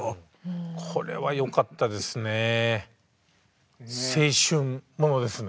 これはよかったですね。